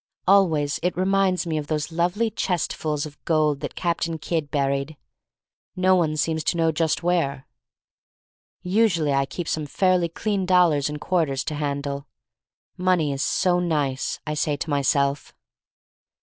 Always it reminds me of those lovely chestfuls of gold that Captain Kidd buried — no one seems to know just where. Usually I keep some fairly clean dollars and quarters to handle.. "Money is so nice!" I say to myself.